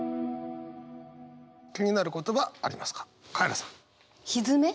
気になる言葉ありますか？